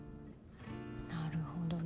なるほどね。